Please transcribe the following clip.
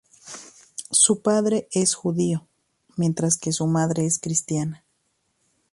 Su padre es judío, mientras que su madre es cristiana.